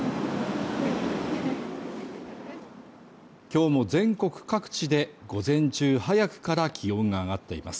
今日も全国各地で午前中早くから気温が上がっています